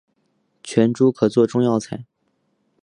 全株可做中药材。